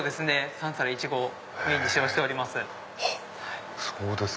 ３皿イチゴメインで使用しております。